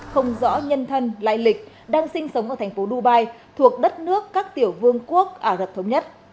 không rõ nhân thân lại lịch đang sinh sống ở tp dubai thuộc đất nước các tiểu vương quốc ả rập thống nhất